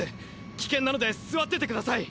危険なので座ってて下さい！